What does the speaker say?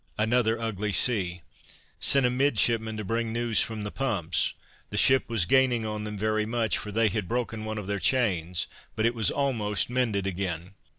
Another ugly sea: sent a midshipman to bring news from the pumps: the ship was gaining on them very much, for they had broken one of their chains, but it was almost mended again.